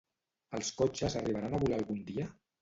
Els cotxes arribaran a volar algun dia?